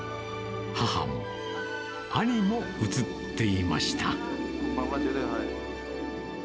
母も、兄も映っていました。